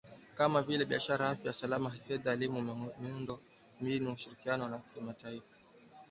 kama vile biashara , afya , usalama , fedha , elimu , miundo mbinu na ushirikiano wa kimataifa